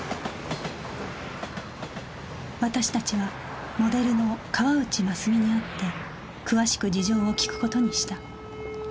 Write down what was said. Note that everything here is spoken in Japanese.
私達はモデルの河内ますみに会って詳しく事情を聞くことにした